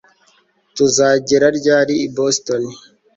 Tuzagera ryari i Boston